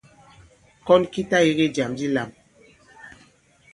Kɔn ki ta yege jàm di lām.